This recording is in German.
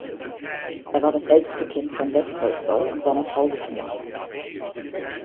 Er war das älteste Kind von Lew Tolstoi und seiner Frau Sofja.